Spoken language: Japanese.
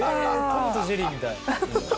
『トムとジェリー』みたい。